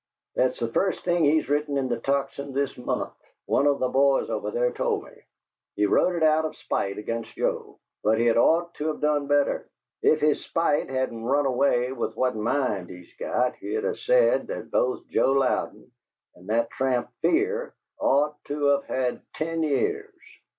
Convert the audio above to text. That's the first thing he's written in the Tocsin this month one of the boys over there told me. He wrote it out of spite against Joe; but he'd ought to of done better. If his spite hadn't run away with what mind he's got, he'd of said that both Joe Louden and that tramp Fear ought to of had ten years!"